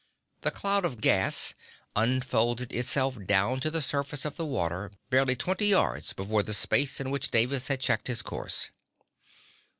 The cloud of gas unfolded itself down to the surface of the water, barely twenty yards before the space in which Davis had checked his course.